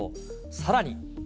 さらに。